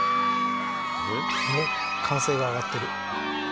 歓声が上がってる。